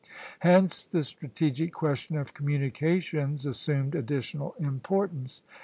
Hence the strategic question of communications assumed additional importance.